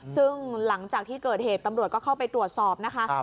ซึ่งหลังจากที่เกิดเหตุตำรวจก็เข้าไปตรวจสอบนะคะ